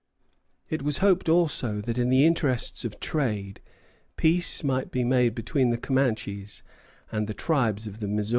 ] It was hoped also that, in the interest of trade, peace might be made between the Comanches and the tribes of the Missouri.